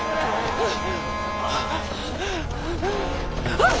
あっ。